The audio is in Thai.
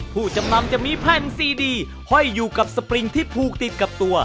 ผู้จำนำจะมีแผ่นซีดีห้อยอยู่กับสปริงที่ผูกติดกับตัว